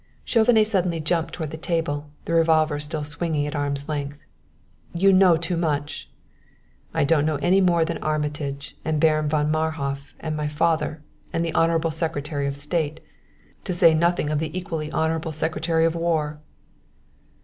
Chauvenet suddenly jumped toward the table, the revolver still swinging at arm's length. "You know too much!" "I don't know any more than Armitage, and Baron von Marhof and my father, and the Honorable Secretary of State, to say nothing of the equally Honorable Secretary of War."